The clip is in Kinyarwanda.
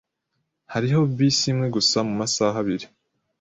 Hariho bisi imwe gusa mumasaha abiri.